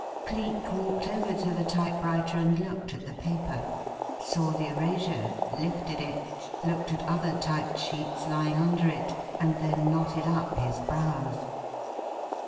Cleek walked over to the typewriter and looked at the paper, saw the erasure, lifted it, looked at other typed sheets lying under it, and then knotted up his brows.